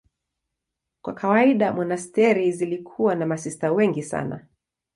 Kwa kawaida monasteri zilikuwa na masista wengi sana.